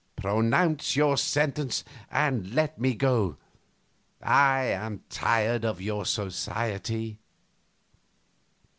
Pronounce your sentence and let me go; I am tired of your society."